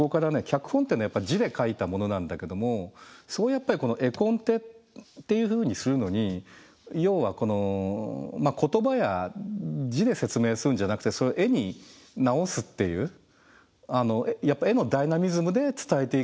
脚本っていうのはやっぱり字で書いたものなんだけどもやっぱり絵コンテっていうふうにするのに要はこの言葉や字で説明するんじゃなくてそれ絵に直すっていうやっぱ絵のダイナミズムで伝えていくにはどうすればいいか。